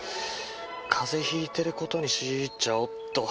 風邪引いてる事にしちゃおっと。